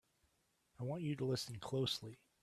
I want you to listen closely!